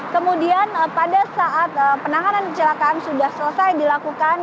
kemudian pada saat penanganan kecelakaan sudah selesai dilakukan